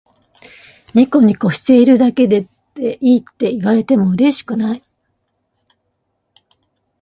ニコニコしているだけでいいって言われてもうれしくない